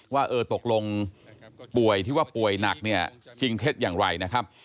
ว่าเออตกลงป่วยที่ว่าป่วยหนักเนี่ยจริงเท็จอย่างไรนะครับ